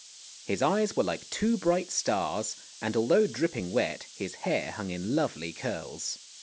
His eyes were like two bright stars, and although dripping wet, his hair hung in lovely curls.